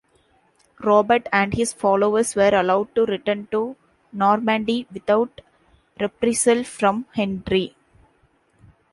Robert and his followers were allowed to return to Normandy without reprisal from Henry.